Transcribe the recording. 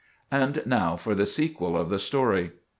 And now for the sequel of the story.